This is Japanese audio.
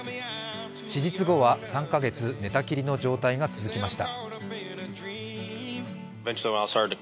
手術後は３カ月寝たきりの状態が続きました。